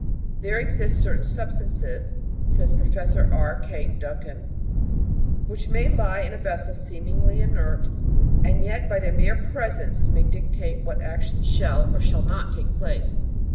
There exist certain substances [says Professor R. K. Duncan] which may lie in a vessel seemingly inert, and yet by their mere presence may dictate what actions shall or shall The Romance of Chemistry 733 not take place.